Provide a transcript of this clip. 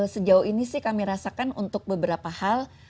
sejauh ini sih kami rasakan untuk beberapa hal